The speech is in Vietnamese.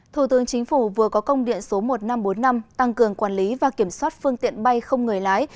thủ tướng chính phủ vừa có công điện số một nghìn năm trăm bốn mươi năm tăng cường quản lý và kiểm soát phương tiện bay không người lái